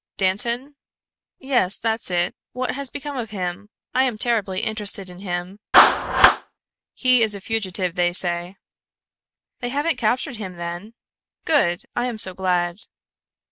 "Dantan?" "Yes, that's it. What has become of him? I am terribly interested in him." "He is a fugitive, they say." "They haven't captured him, then? Good! I am so glad."